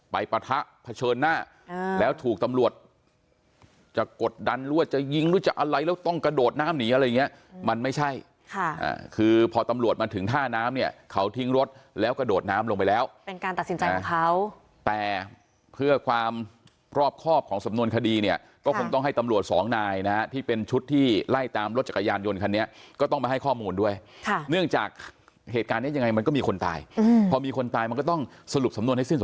ในประทะเผชิญหน้าแล้วถูกตำรวจจะกดดันรวดจะยิงรู้จะอะไรแล้วต้องกระโดดน้ำหนีอะไรอย่างเงี้ยมันไม่ใช่ค่ะคือพอตำรวจมาถึงท่าน้ำเนี่ยเขาทิ้งรถแล้วกระโดดน้ำลงไปแล้วเป็นการตัดสินใจของเขาแต่เพื่อความพรอบคอบของสำนวนคดีเนี่ยก็คงต้องให้ตำรวจสองนายนะที่เป็นชุดที่ไล่ตามรถจักรยานยนต์คันนี้ก็ต้